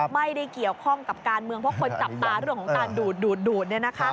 ไม่ได้เกี่ยวข้องกับการเมืองเพราะคนจับตาเรื่องของการดูด